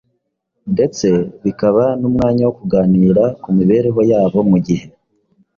ndetse bikaba n’umwanya wo kuganira ku mibereho yabo mu gihe